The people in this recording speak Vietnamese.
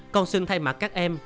con xin thay mặt các em